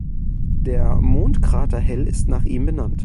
Der Mondkrater Hell ist nach ihm benannt.